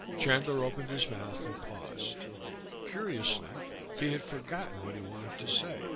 Chandler opened his mouth, and paused. Curiously, he had forgotten what he wanted to say.